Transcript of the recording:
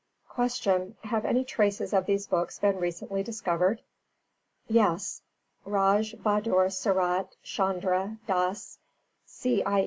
317. Q. Have any traces of these books been recently discovered? A. Yes. Rai Bhādur Sarat Chandra Dās, C.I.